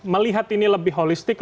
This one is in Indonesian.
melihat ini lebih holistik